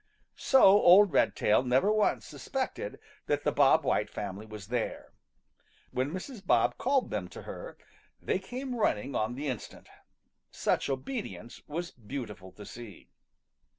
So old Red tail never once suspected that the Bob White family was there. When Mrs. Bob called them to her, they came running on the instant. Such obedience was beautiful to see.